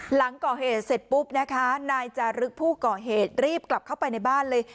หลังก่อเหตุเสร็จปุ๊บนะคะนายจารึกผู้ก่อเหตุรีบกลับเข้าไปในบ้านเลย